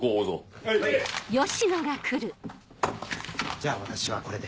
じゃあ私はこれで。